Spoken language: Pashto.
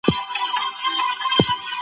که پوهان ازاد وي نو حقايق څرګنديږي.